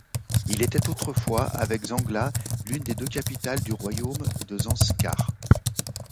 Il était autrefois, avec Zangla, l'une des deux capitales du Royaume de Zanskar.